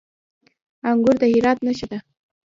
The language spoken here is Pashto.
انګور د هرات نښه ده.